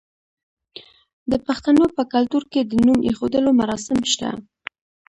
د پښتنو په کلتور کې د نوم ایښودلو مراسم شته.